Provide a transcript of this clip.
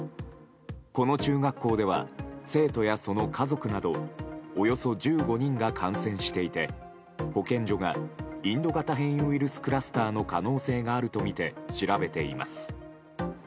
この中学校では生徒や、その家族などおよそ１５人が感染していて保健所がインド型変異ウイルスクラスターの可能性があるとみて調べています。